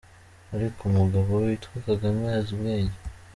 Ariko Umugabo Witwa Kagame azi ubwenge!.